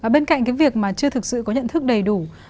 bên cạnh cái việc mà chưa thực sự có nhận thức đầy đủ